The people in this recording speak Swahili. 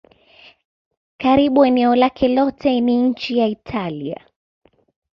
Karibu eneo lake lote ni nchi ya Italia.